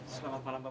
selamat malam papa